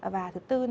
và thứ tư